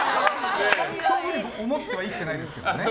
そういうふうに思っては生きてないですけどね。